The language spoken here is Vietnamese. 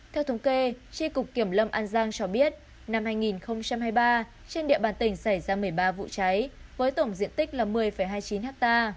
theo thống kê tri cục kiểm lâm an giang cho biết năm hai nghìn hai mươi ba trên địa bàn tỉnh xảy ra một mươi ba vụ cháy với tổng diện tích là một mươi hai mươi chín ha